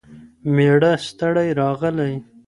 مېړه ستړی راغلی